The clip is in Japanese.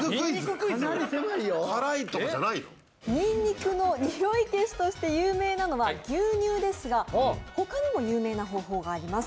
・かなり狭いよニンニクの匂い消しとして有名なのは牛乳ですが他にも有名な方法があります